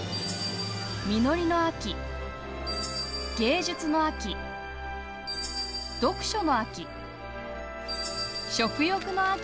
「実りの秋」「芸術の秋」「読書の秋」